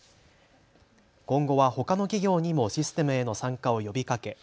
今後はほかの企業にもシステムへの参加を呼びかけ